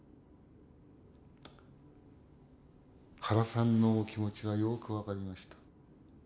原さんのお気持ちはよく分かりました。